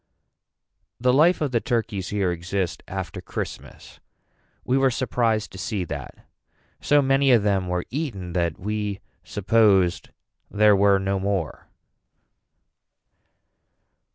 The life of the turkies here exist after Christmas. We were surprised to see that. So many of them were eaten that we supposed there were no more.